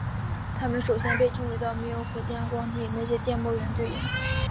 它们首先被注意到没有可见光天体能与些电波源对应。